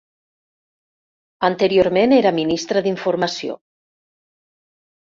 Anteriorment era Ministra d'Informació.